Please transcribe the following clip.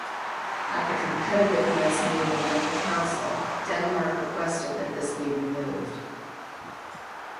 At the Competitiveness meeting of the Council, Denmark requested that this be removed.